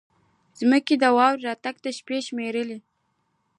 ځمکې د واورې راتګ ته شېبې شمېرلې.